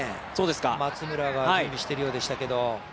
松村が準備しているようです。